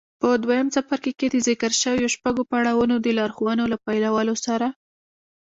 په دويم څپرکي کې د ذکر شويو شپږو پړاوونو د لارښوونو له پيلولو سره.